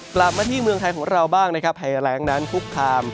กลับมาที่เมืองไทยของเราบ้างนะครับภัยแรงนั้นคุกคาม